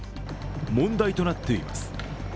問題となっています。